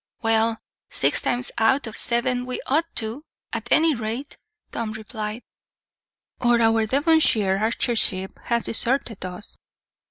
"Well, six times out of seven we ought to, at any rate," Tom replied; "or our Devonshire archership has deserted us."